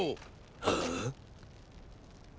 ああ？